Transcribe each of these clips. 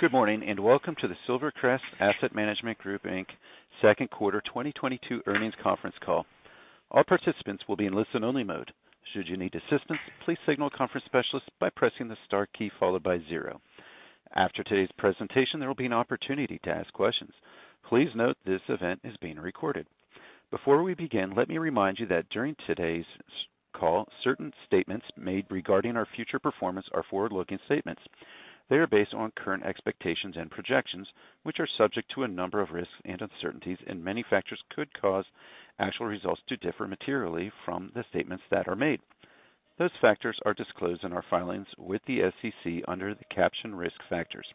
Good morning, and welcome to the Silvercrest Asset Management Group Inc. second quarter 2022 earnings conference call. All participants will be in listen only mode. Should you need assistance, please signal a conference specialist by pressing the star key followed by zero. After today's presentation, there will be an opportunity to ask questions. Please note this event is being recorded. Before we begin, let me remind you that during today's call, certain statements made regarding our future performance are forward-looking statements. They are based on current expectations and projections, which are subject to a number of risks and uncertainties, and many factors could cause actual results to differ materially from the statements that are made. Those factors are disclosed in our filings with the SEC under the caption Risk Factors.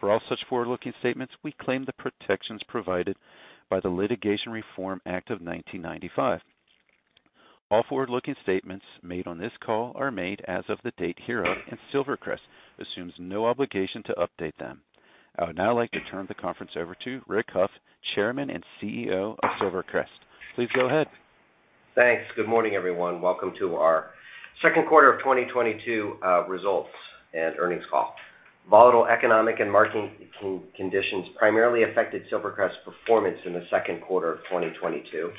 For all such forward-looking statements, we claim the protections provided by the Litigation Reform Act of 1995. All forward-looking statements made on this call are made as of the date hereof, and Silvercrest assumes no obligation to update them. I would now like to turn the conference over to Richard R. Hough III, Chairman and CEO of Silvercrest. Please go ahead. Thanks. Good morning, everyone. Welcome to our second quarter of 2022 results and earnings call. Volatile economic and market conditions primarily affected Silvercrest's performance in the second quarter of 2022.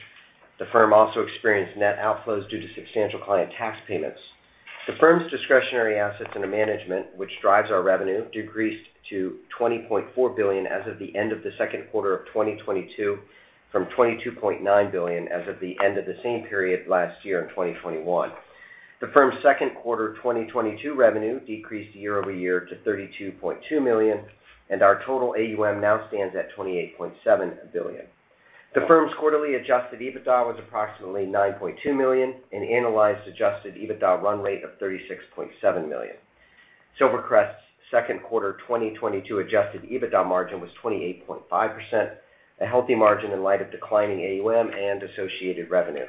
The firm also experienced net outflows due to substantial client tax payments. The firm's discretionary assets under management, which drives our revenue, decreased to $20.4 billion as of the end of the second quarter of 2022, from $22.9 billion as of the end of the same period last year in 2021. The firm's second quarter 2022 revenue decreased year-over-year to $32.2 million, and our total AUM now stands at $28.7 billion. The firm's quarterly adjusted EBITDA was approximately $9.2 million, an annualized adjusted EBITDA run rate of $36.7 million. Silvercrest's second quarter 2022 adjusted EBITDA margin was 28.5%, a healthy margin in light of declining AUM and associated revenue.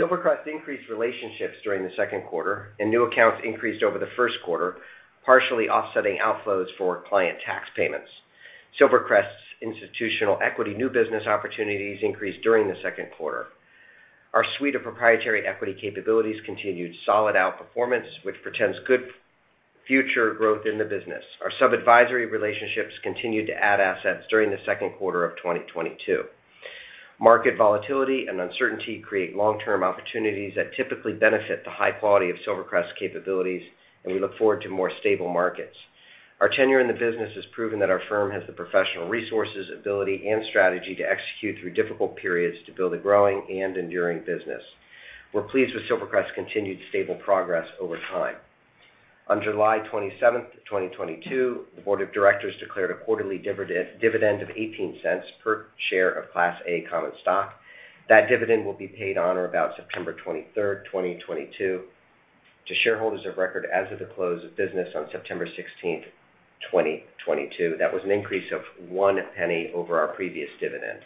Silvercrest increased relationships during the second quarter, and new accounts increased over the first quarter, partially offsetting outflows for client tax payments. Silvercrest's institutional equity new business opportunities increased during the second quarter. Our suite of proprietary equity capabilities continued solid outperformance, which portends good future growth in the business. Our sub-advisory relationships continued to add assets during the second quarter of 2022. Market volatility and uncertainty create long-term opportunities that typically benefit the high quality of Silvercrest capabilities, and we look forward to more stable markets. Our tenure in the business has proven that our firm has the professional resources, ability, and strategy to execute through difficult periods to build a growing and enduring business. We're pleased with Silvercrest's continued stable progress over time. On July 27th, 2022, the board of directors declared a quarterly dividend of $0.18 per share of Class A common stock. That dividend will be paid on or about September 23rd, 2022 to shareholders of record as of the close of business on September 16th, 2022. That was an increase of $0.01 over our previous dividend.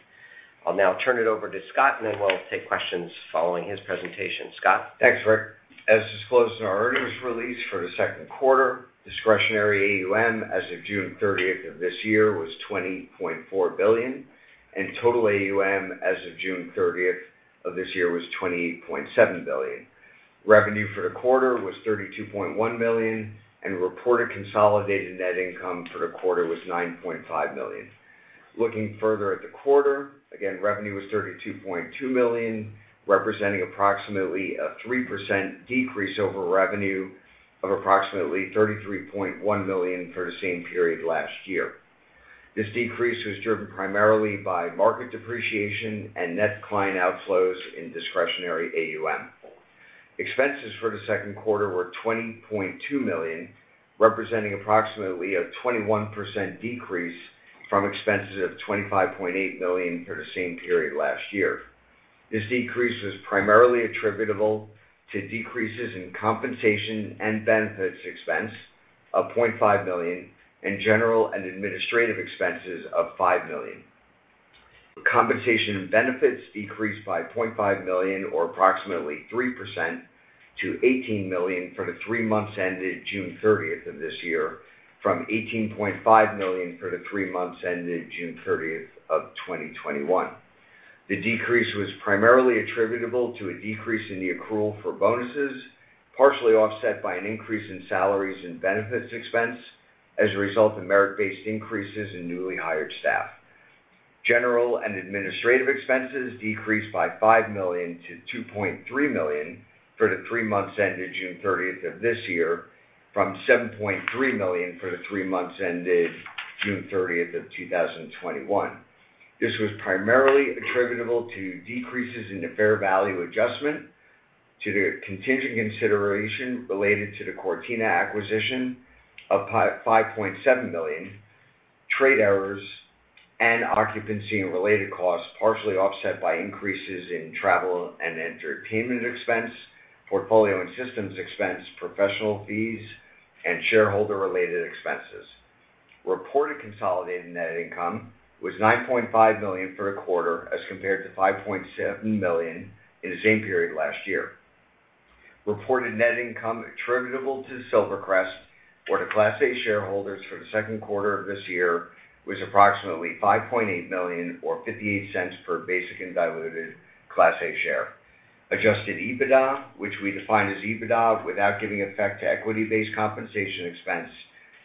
I'll now turn it over to Scott, and then we'll take questions following his presentation. Scott? Thanks, Rick. As disclosed in our earnings release for the second quarter, discretionary AUM as of June 30th of this year was $20.4 billion, and total AUM as of June 30th of this year was $28.7 billion. Revenue for the quarter was $32.1 million, and reported consolidated net income for the quarter was $9.5 million. Looking further at the quarter, again, revenue was $32.2 million, representing approximately a 3% decrease over revenue of approximately $33.1 million for the same period last year. This decrease was driven primarily by market depreciation and net client outflows in discretionary AUM. Expenses for the second quarter were $20.2 million, representing approximately a 21% decrease from expenses of $25.8 million for the same period last year. This decrease was primarily attributable to decreases in compensation and benefits expense of $0.5 million and general and administrative expenses of $5 million. Compensation and benefits decreased by $0.5 million or approximately 3% to $18 million for the three months ended June 30th of this year from $18.5 million for the three months ended June 30th, 2021. The decrease was primarily attributable to a decrease in the accrual for bonuses, partially offset by an increase in salaries and benefits expense as a result of merit-based increases in newly hired staff. General and administrative expenses decreased by $5 million to $2.3 million for the three months ended June 30th of this year from $7.3 million for the three months ended June 30th, 2021. This was primarily attributable to decreases in the fair value adjustment to the contingent consideration related to the Cortina acquisition of $5.7 million, trade errors, and occupancy and related costs, partially offset by increases in travel and entertainment expense, portfolio and systems expense, professional fees, and shareholder-related expenses. Reported consolidated net income was $9.5 million for the quarter as compared to $5.7 million in the same period last year. Reported net income attributable to Silvercrest for the Class A shareholders for the second quarter of this year was approximately $5.8 million or $0.58 per basic and diluted Class A share. Adjusted EBITDA, which we define as EBITDA without giving effect to equity-based compensation expense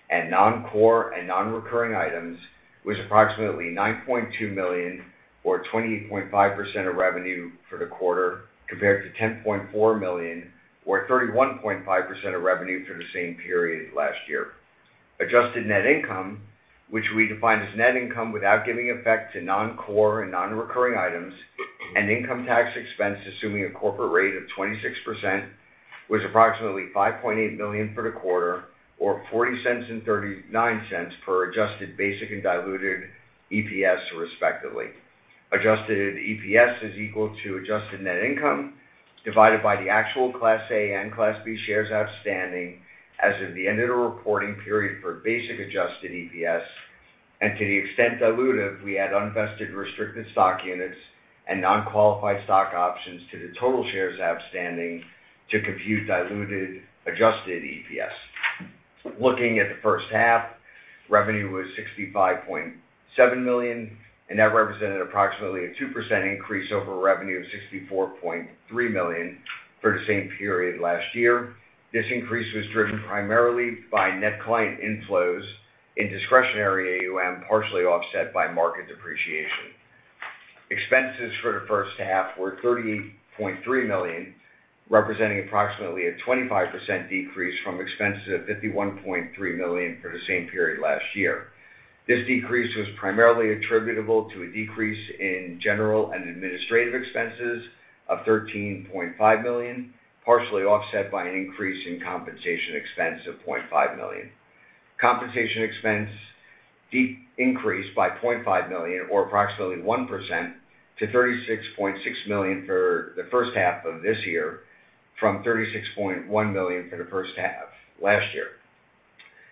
and non-core and non-recurring items, was approximately $9.2 million or 28.5% of revenue for the quarter, compared to $10.4 million or 31.5% of revenue for the same period last year. Adjusted net income, which we define as net income without giving effect to non-core and non-recurring items and income tax expense, assuming a corporate rate of 26%, was approximately $5.8 million for the quarter or $0.40 and $0.39 per adjusted basic and diluted EPS, respectively. Adjusted EPS is equal to adjusted net income divided by the actual Class A and Class B shares outstanding as of the end of the reporting period for basic adjusted EPS. To the extent dilutive, we add unvested restricted stock units and non-qualified stock options to the total shares outstanding to compute diluted adjusted EPS. Looking at the first half, revenue was $65.7 million, and that represented approximately a 2% increase over revenue of $64.3 million for the same period last year. This increase was driven primarily by net client inflows in discretionary AUM, partially offset by market depreciation. Expenses for the first half were $38.3 million, representing approximately a 25% decrease from expenses of $51.3 million for the same period last year. This decrease was primarily attributable to a decrease in general and administrative expenses of $13.5 million, partially offset by an increase in compensation expense of $0.5 million. Compensation expense increased by $0.5 million or approximately 1% to $36.6 million for the first half of this year from $36.1 million for the first half last year.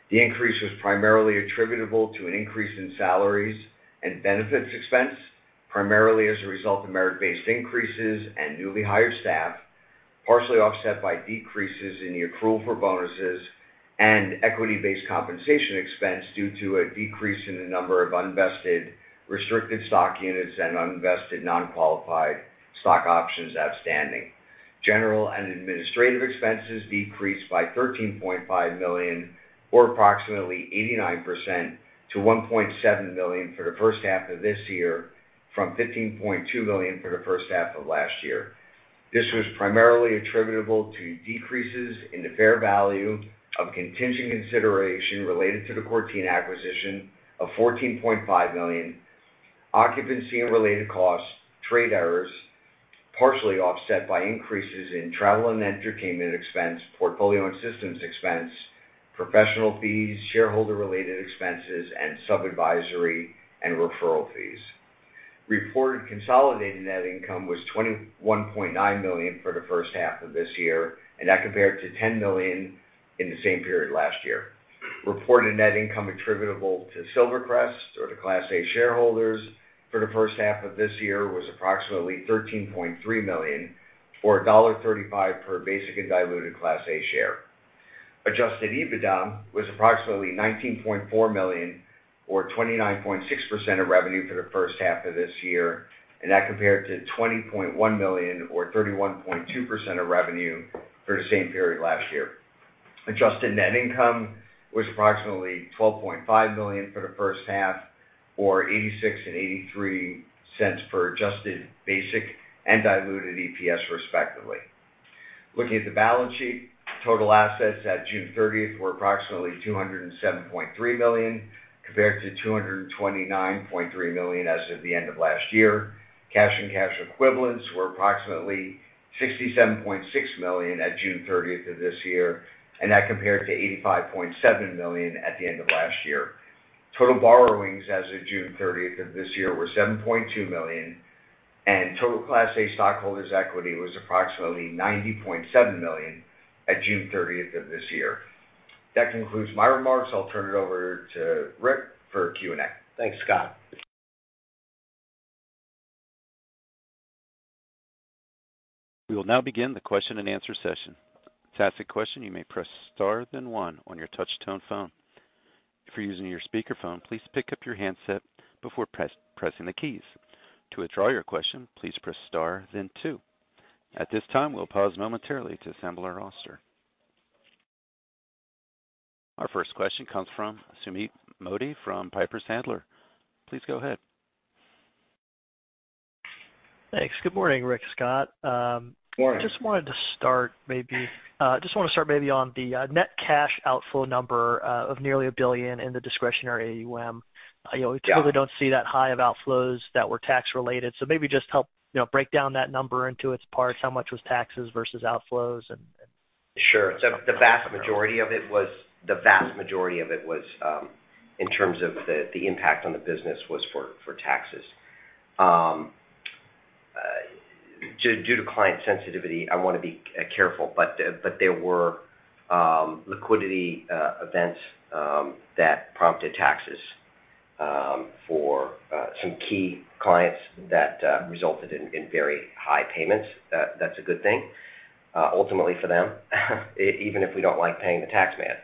The increase was primarily attributable to an increase in salaries and benefits expense, primarily as a result of merit-based increases and newly hired staff, partially offset by decreases in the accrual for bonuses and equity-based compensation expense due to a decrease in the number of unvested restricted stock units and unvested non-qualified stock options outstanding. General and administrative expenses decreased by $13.5 million or approximately 89% to $1.7 million for the first half of this year from $15.2 million for the first half of last year. This was primarily attributable to decreases in the fair value of contingent consideration related to the Cortina acquisition of $14.5 million, occupancy and related costs, trade errors, partially offset by increases in travel and entertainment expense, portfolio and systems expense, professional fees, shareholder-related expenses, and sub-advisory and referral fees. Reported consolidated net income was $21.9 million for the first half of this year, and that compared to $10 million in the same period last year. Reported net income attributable to Silvercrest or to Class A shareholders for the first half of this year was approximately $13.3 million or $0.35 per basic and diluted Class A share. Adjusted EBITDA was approximately $19.4 million or 29.6% of revenue for the first half of this year, and that compared to $20.1 million or 31.2% of revenue for the same period last year. Adjusted net income was approximately $12.5 million for the first half or $0.86 and $0.83 per adjusted basic and diluted EPS, respectively. Looking at the balance sheet, total assets at June 30th were approximately $207.3 million, compared to $229.3 million as of the end of last year. Cash and cash equivalents were approximately $67.6 million at June 30th of this year, and that compared to $85.7 million at the end of last year. Total borrowings as of June 30th of this year were $7.2 million, and total Class A stockholders' equity was approximately $90.7 million at June 30th of this year. That concludes my remarks. I'll turn it over to Rick for Q&A. Thanks, Scott. We will now begin the question-and-answer session. To ask a question, you may press star then one on your touch tone phone. If you're using your speakerphone, please pick up your handset before pressing the keys. To withdraw your question, please press star then two. At this time, we'll pause momentarily to assemble our roster. Our first question comes from Sumeet Mody from Piper Sandler. Please go ahead. Thanks. Good morning, Rick, Scott. Morning. I just wanted to start on the net cash outflow number of nearly $1 billion in the discretionary AUM. You know- Yeah. We typically don't see that high of outflows that were tax-related. Maybe just help, you know, break down that number into its parts. How much was taxes versus outflows and? Sure. The vast majority of it was in terms of the impact on the business was for taxes. Due to client sensitivity, I wanna be careful, but there were liquidity events that prompted taxes for some key clients that resulted in very high payments. That's a good thing. Ultimately for them, even if we don't like paying the tax man.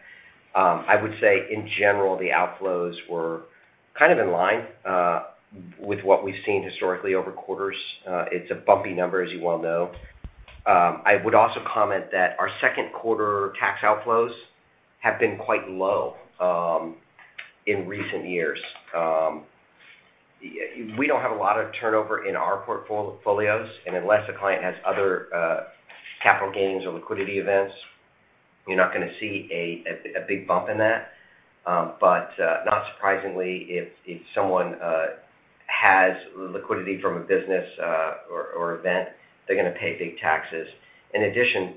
I would say in general, the outflows were kind of in line with what we've seen historically over quarters. It's a bumpy number, as you well know. I would also comment that our second quarter tax outflows have been quite low in recent years. We don't have a lot of turnover in our portfolios, and unless a client has other capital gains or liquidity events, you're not gonna see a big bump in that. Not surprisingly, if someone has liquidity from a business or event, they're gonna pay big taxes. In addition,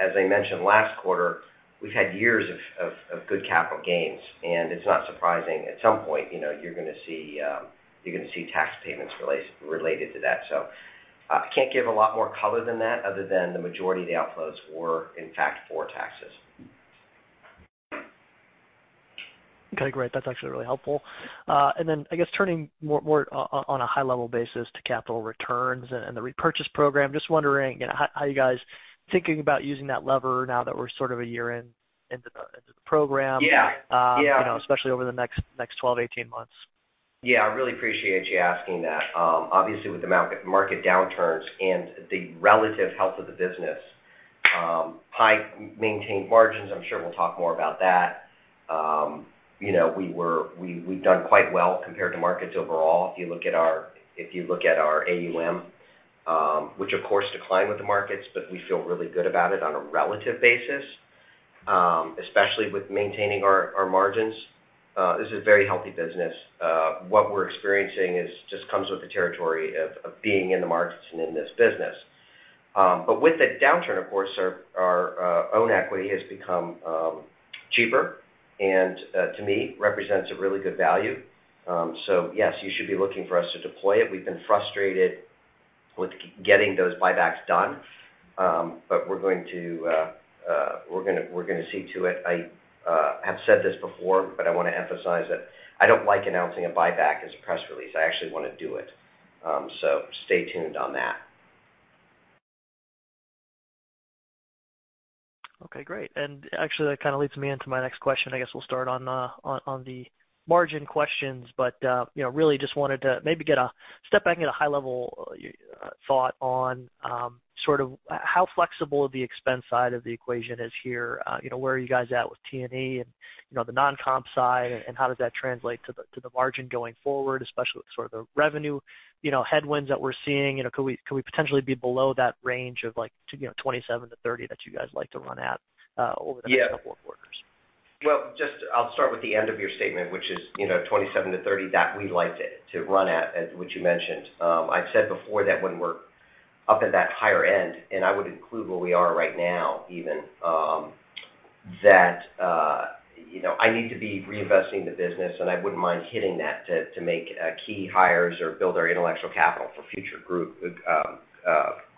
as I mentioned last quarter, we've had years of good capital gains, and it's not surprising. At some point, you know, you're gonna see tax payments related to that. I can't give a lot more color than that other than the majority of the outflows were, in fact, for taxes. Okay, great. That's actually really helpful. I guess turning more on a high level basis to capital returns and the repurchase program. Just wondering, you know, how are you guys thinking about using that lever now that we're sort of a year into the program? Yeah. Yeah. You know, especially over the next 12-18 months. Yeah, I really appreciate you asking that. Obviously, with the market downturns and the relative health of the business, high maintained margins, I'm sure we'll talk more about that. You know, we've done quite well compared to markets overall. If you look at our AUM, which of course declined with the markets, but we feel really good about it on a relative basis, especially with maintaining our margins. This is a very healthy business. What we're experiencing is just comes with the territory of being in the markets and in this business. With the downturn, of course, our own equity has become cheaper and to me, represents a really good value. So yes, you should be looking for us to deploy it. We've been frustrated with getting those buybacks done, but we're gonna see to it. I have said this before, but I wanna emphasize it. I don't like announcing a buyback as a press release. I actually wanna do it. Stay tuned on that. Okay, great. Actually, that kinda leads me into my next question. I guess we'll start on the margin questions. You know, really just wanted to maybe get a step back, get a high-level thought on sort of how flexible the expense side of the equation is here. You know, where are you guys at with T&E and, you know, the non-comp side, and how does that translate to the margin going forward, especially with sort of the revenue, you know, headwinds that we're seeing? You know, could we potentially be below that range of, like, you know, 27%-30% that you guys like to run at over the next- Yeah. Couple of quarters? Well, just I'll start with the end of your statement, which is, you know, 27%-30% that we like to run at, as which you mentioned. I've said before that when we're up in that higher end, and I would include where we are right now even, that, you know, I need to be reinvesting the business, and I wouldn't mind hitting that to make key hires or build our intellectual capital for future group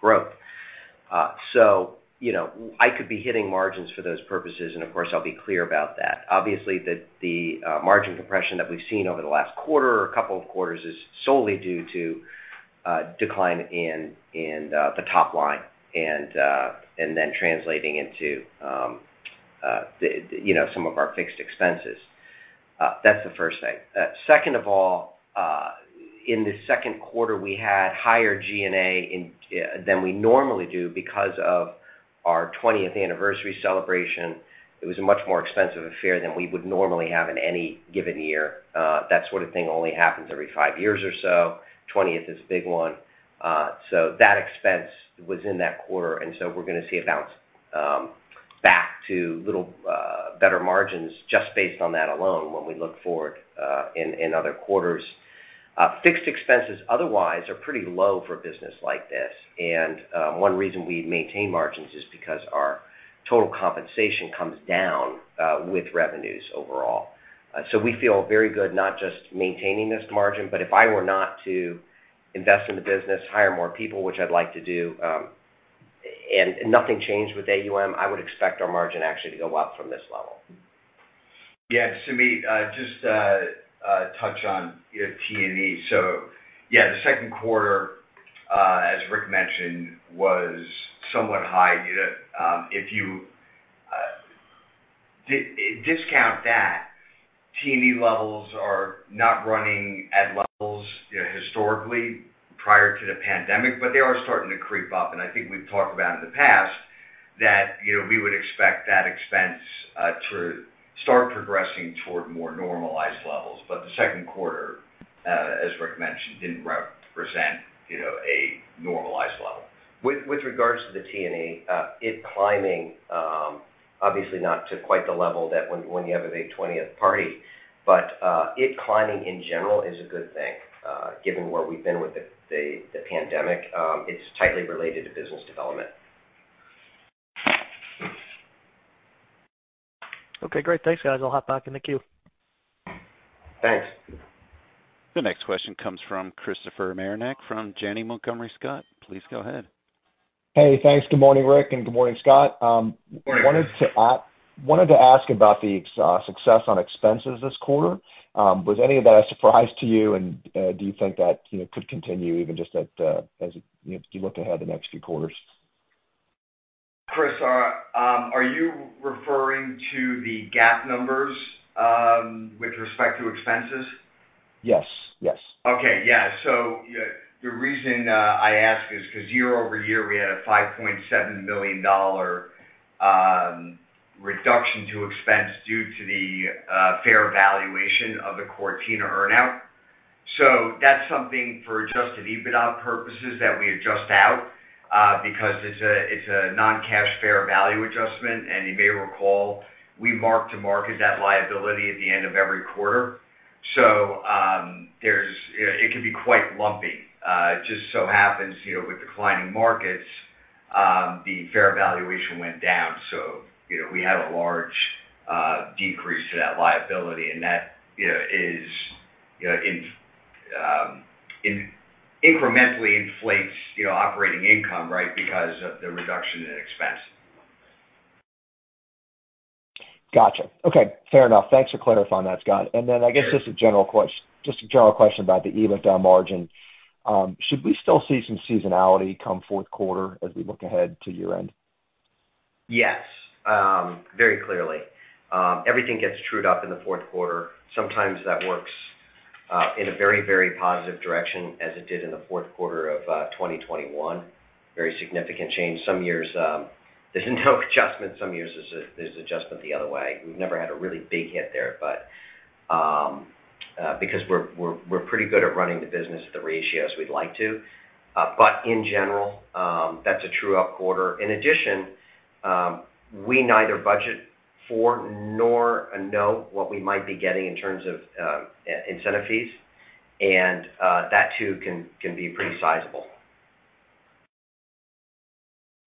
growth. So, you know, I could be hitting margins for those purposes, and of course, I'll be clear about that. Obviously, the margin compression that we've seen over the last quarter or couple of quarters is solely due to decline in the top line and then translating into, you know, some of our fixed expenses. That's the first thing. Second of all, in the second quarter, we had higher G&A than we normally do because of our 20th anniversary celebration. It was a much more expensive affair than we would normally have in any given year. That sort of thing only happens every 5 years or so. 20th is a big one. So that expense was in that quarter, and so we're gonna see a bounce back to little better margins just based on that alone when we look forward in other quarters. Fixed expenses otherwise are pretty low for a business like this. One reason we maintain margins is because our total compensation comes down with revenues overall. We feel very good not just maintaining this margin, but if I were not to invest in the business, hire more people, which I'd like to do, and nothing changed with AUM, I would expect our margin actually to go up from this level. Yeah. Sumeet, just to touch on T&E. Yeah, the second quarter, as Rick mentioned, was somewhat high. You know, if you discount that, T&E levels are not running at levels, you know, historically prior to the pandemic, but they are starting to creep up. I think we've talked about in the past that, you know, we would expect that expense to start progressing toward more normalized levels. The second quarter, as Rick mentioned, didn't represent, you know, a normalized level. With regards to the T&E, it climbing, obviously not to quite the level that when you have a big 20th party. It climbing in general is a good thing, given where we've been with the pandemic. It's tightly related to business development. Okay, great. Thanks, guys. I'll hop back in the queue. Thanks. The next question comes from Christopher Marinac from Janney Montgomery Scott. Please go ahead. Hey, thanks. Good morning, Rick, and good morning, Scott. Wanted to ask about the success on expenses this quarter. Was any of that a surprise to you? Do you think that, you know, could continue even just as you look ahead the next few quarters? Chris, are you referring to the GAAP numbers, with respect to expenses? Yes. Yes. Okay. Yeah. The reason I ask is 'cause year-over-year, we had a $5.7 million reduction to expense due to the fair valuation of the Cortina earn-out. That's something for adjusted EBITDA purposes that we adjust out because it's a non-cash fair value adjustment. You may recall, we mark-to-market that liability at the end of every quarter. It can be quite lumpy. It just so happens, you know, with declining markets, the fair valuation went down. You know, we had a large decrease to that liability, and that, you know, incrementally inflates, you know, operating income, right, because of the reduction in expense. Gotcha. Okay. Fair enough. Thanks for clarifying that, Scott. I guess just a general question about the EBITDA margin. Should we still see some seasonality come fourth quarter as we look ahead to year-end? Yes, very clearly. Everything gets trued up in the fourth quarter. Sometimes that works in a very, very positive direction as it did in the fourth quarter of 2021. Very significant change. Some years, there's no adjustment. Some years there's adjustment the other way. We've never had a really big hit there, but because we're pretty good at running the business at the ratios we'd like to. In general, that's a true-up quarter. In addition, we neither budget for nor know what we might be getting in terms of incentive fees. That too can be pretty sizable.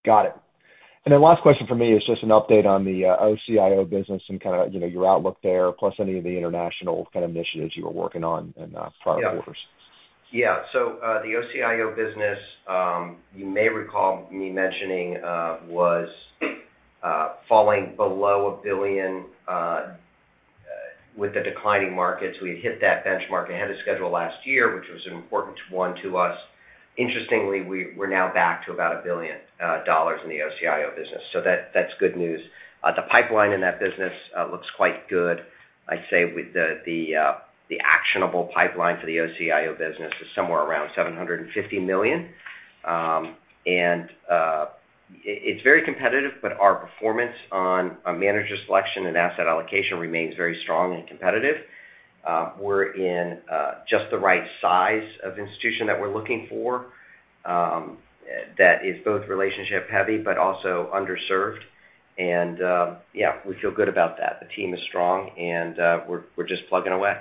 Got it. Last question from me is just an update on the OCIO business and kinda, you know, your outlook there, plus any of the international kind of initiatives you were working on in? Yeah prior quarters. Yeah. The OCIO business, you may recall me mentioning, was falling below $1 billion with the declining markets. We had hit that benchmark ahead of schedule last year, which was an important one to us. Interestingly, we're now back to about $1 billion in the OCIO business. That's good news. The pipeline in that business looks quite good. I'd say the actionable pipeline for the OCIO business is somewhere around $750 million. It's very competitive, but our performance on manager selection and asset allocation remains very strong and competitive. We're in just the right size of institution that we're looking for, that is both relationship heavy but also underserved. Yeah, we feel good about that. The team is strong, and we're just plugging away.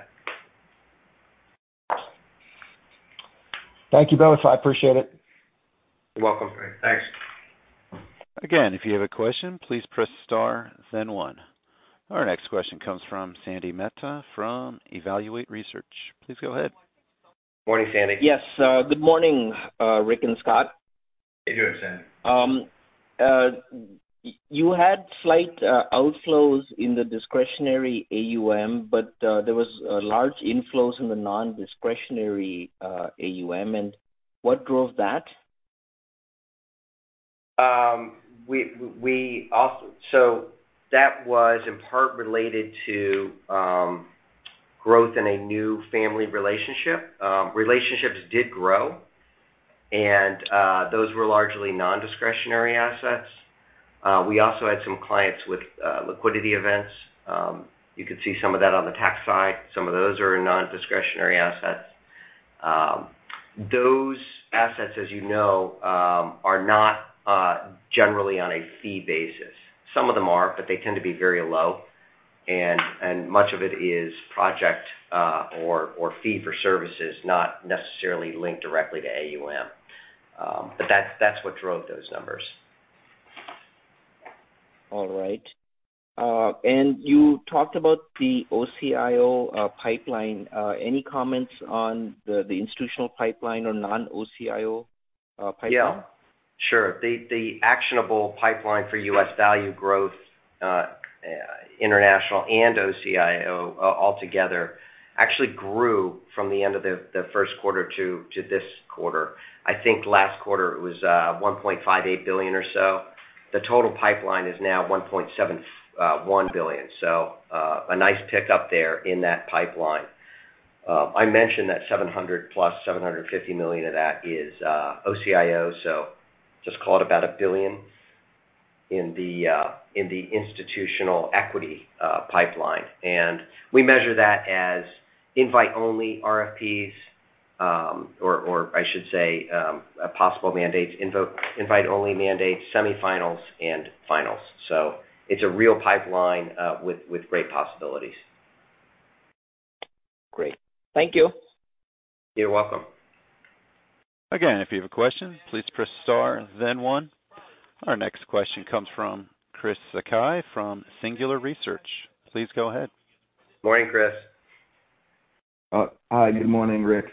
Thank you both. I appreciate it. You're welcome. Thanks. Again, if you have a question, please press star then one. Our next question comes from Sandy Mehta from Evaluate Research. Please go ahead. Morning, Sandy. Yes. Good morning, Rick and Scott. Good morning, Sandy. You had slight outflows in the discretionary AUM, but there was large inflows in the non-discretionary AUM. What drove that? That was in part related to growth in a new family relationship. Relationships did grow, and those were largely non-discretionary assets. We also had some clients with liquidity events. You could see some of that on the tax side. Some of those are non-discretionary assets. Those assets, as you know, are not generally on a fee basis. Some of them are, but they tend to be very low. Much of it is project or fee for services, not necessarily linked directly to AUM. That's what drove those numbers. All right. You talked about the OCIO pipeline. Any comments on the institutional pipeline or non-OCIO pipeline? Yeah, sure. The actionable pipeline for US value growth, international and OCIO altogether actually grew from the end of the first quarter to this quarter. I think last quarter it was $1.58 billion or so. The total pipeline is now $1.71 billion. A nice pickup there in that pipeline. I mentioned that 700 plus $750 million of that is OCIO, so just call it about $1 billion in the institutional equity pipeline. We measure that as invite only RFPs, or I should say possible mandates, invite only mandates, semifinals and finals. It's a real pipeline with great possibilities. Great. Thank you. You're welcome. Again, if you have a question, please press star then one. Our next question comes from Chris Sakai from Singular Research. Please go ahead. Morning, Chris. Hi, good morning, Rick.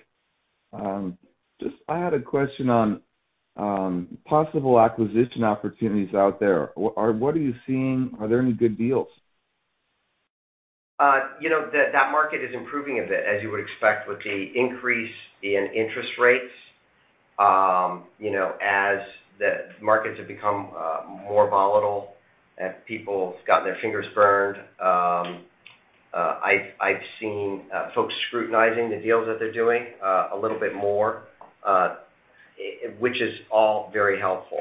Just, I had a question on possible acquisition opportunities out there. What are you seeing? Are there any good deals? You know, that market is improving a bit as you would expect with the increase in interest rates. You know, as the markets have become more volatile and people's gotten their fingers burned, I've seen folks scrutinizing the deals that they're doing a little bit more, which is all very helpful.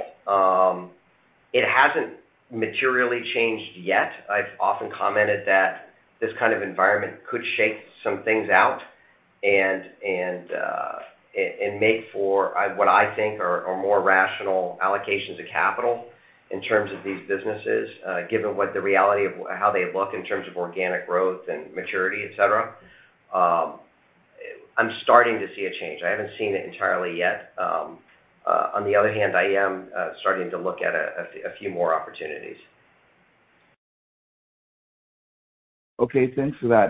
It hasn't materially changed yet. I've often commented that this kind of environment could shake some things out and make for what I think are more rational allocations of capital in terms of these businesses, given what the reality of how they look in terms of organic growth and maturity, et cetera. I'm starting to see a change. I haven't seen it entirely yet. On the other hand, I am starting to look at a few more opportunities. Okay. Thanks for that.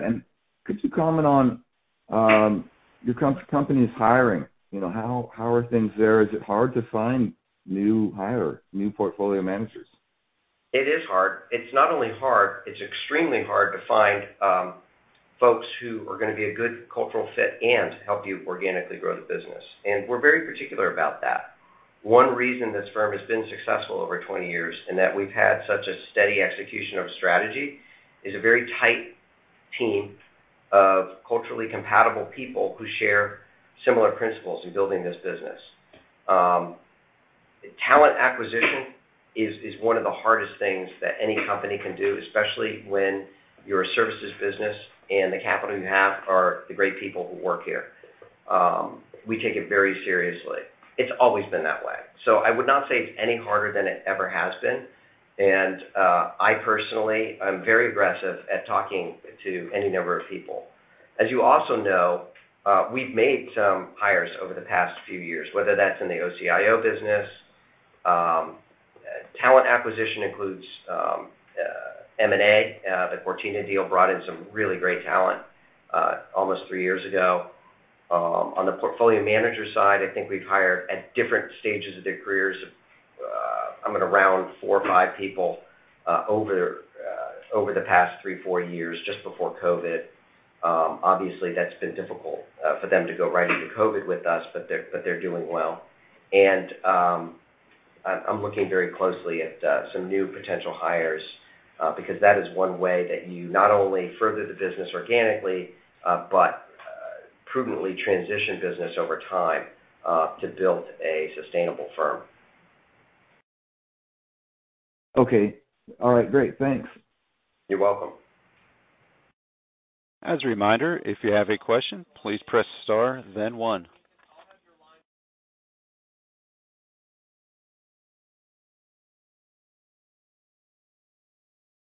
Could you comment on your company's hiring? You know, how are things there? Is it hard to find new hire, new portfolio managers? It is hard. It's not only hard, it's extremely hard to find folks who are gonna be a good cultural fit and help you organically grow the business. We're very particular about that. One reason this firm has been successful over 20 years and that we've had such a steady execution of strategy is a very tight team of culturally compatible people who share similar principles in building this business. Talent acquisition is one of the hardest things that any company can do, especially when you're a services business and the capital you have are the great people who work here. We take it very seriously. It's always been that way. I would not say it's any harder than it ever has been. I personally, I'm very aggressive at talking to any number of people. As you also know, we've made some hires over the past few years, whether that's in the OCIO business. Talent acquisition includes M&A. The Cortina deal brought in some really great talent, almost three years ago. On the portfolio manager side, I think we've hired at different stages of their careers, I'm gonna round four or five people, over the past three, four years, just before COVID. Obviously, that's been difficult for them to go right into COVID with us, but they're doing well. I'm looking very closely at some new potential hires, because that is one way that you not only further the business organically, but prudently transition business over time, to build a sustainable firm. Okay. All right, great. Thanks. You're welcome. As a reminder, if you have a question, please press star then one.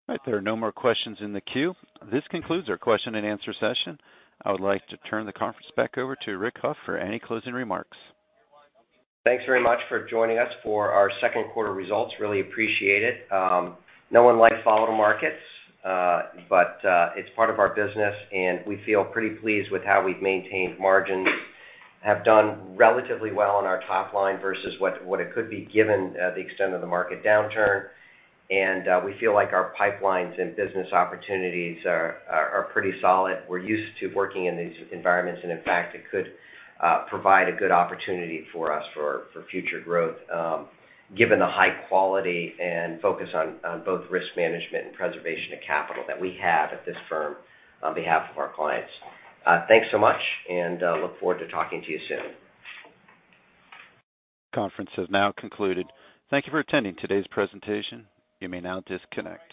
All right, there are no more questions in the queue. This concludes our question and answer session. I would like to turn the conference back over to Rick Hough for any closing remarks. Thanks very much for joining us for our second quarter results. Really appreciate it. No one likes volatile markets, but it's part of our business, and we feel pretty pleased with how we've maintained margins, have done relatively well on our top line versus what it could be given the extent of the market downturn. We feel like our pipelines and business opportunities are pretty solid. We're used to working in these environments, and in fact, it could provide a good opportunity for us for future growth, given the high quality and focus on both risk management and preservation of capital that we have at this firm on behalf of our clients. Thanks so much, and look forward to talking to you soon. Conference has now concluded. Thank you for attending today's presentation. You may now disconnect.